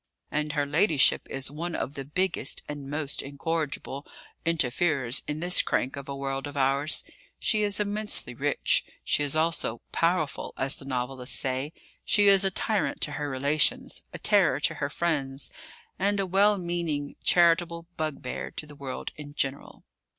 And her ladyship is one of the biggest and most incorrigible interferers in this crank of a world of ours. She is immensely rich; she is also 'powerful,' as the novelists say; she is a tyrant to her relations, a terror to her friends, and a well meaning, charitable bugbear to the world in general."